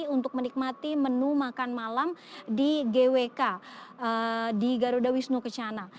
untuk menikmati menu makan malam di gwk di garuda wisnu kencana